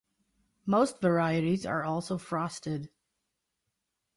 Most varieties are also frosted.